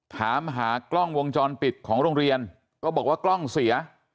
ถามหากล้องวงจรปิดของโรงเรียนก็บอกว่ากล้องเสีย